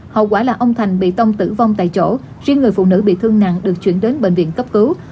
hậu quả là ông thành bị tông tử vong tại chỗ riêng người phụ nữ bị thương nặng được chuyển đến bệnh viện cấp cứu